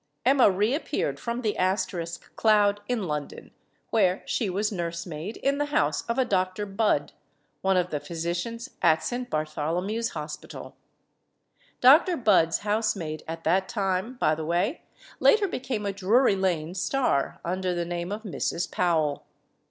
Emma reappeared from the asterisk cloud in Lon don, where she was nursemaid in the house of a Doctor Budd, one of the physicians at St. Bartholomew's Hos pital. Doctor Budd's housemaid at that time, by the way, later became a Drury Lane star, under the name of "Mrs. Powell."